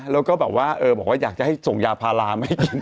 แล้วก็แบบว่าเออบอกว่าอยากจะให้ส่งยาพารามาให้กิน